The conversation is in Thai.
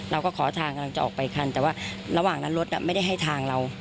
เราก็ขอทางกำลังจะออกไปคันแต่ว่าระหว่างนั้นรถไม่ได้ให้ทางเรา